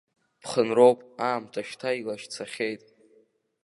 Ԥхынроуп, аамҭа шьҭа илашьцахьеит.